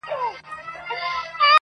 نن به ریږدي د فرنګ د زوی ورنونه!